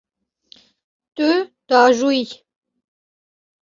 Tu diajoyî.